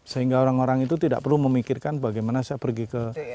sehingga orang orang itu tidak perlu memikirkan bagaimana saya pergi ke